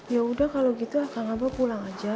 ya udah kalau gitu kak ngaba pulang aja